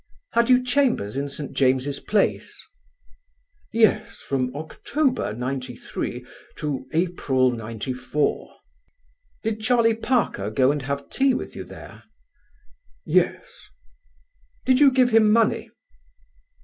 "Had you chambers in St. James's Place?" "Yes, from October, '93, to April, '94." "Did Charlie Parker go and have tea with you there?" "Yes." "Did you give him money?"